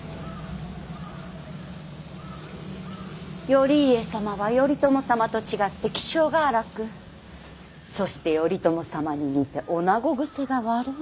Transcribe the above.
頼家様は頼朝様と違って気性が荒くそして頼朝様に似て女子癖が悪い。